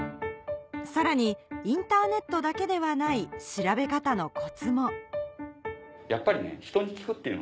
さらにインターネットだけではない調べ方のコツもやっぱり。